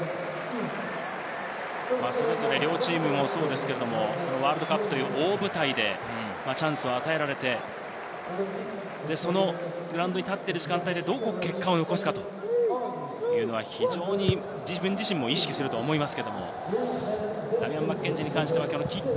それぞれ両チームもそうですけれど、ワールドカップという大舞台でチャンスを与えられて、グラウンドに立っている時間帯でどう結果を残すか、自分自身も意識すると思います。